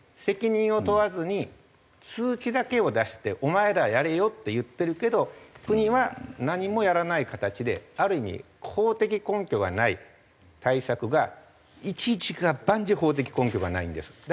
責任を問わずに通知だけを出してお前らやれよって言ってるけど国は何もやらない形である意味法的根拠がない対策が一事が万事法的根拠がないんです。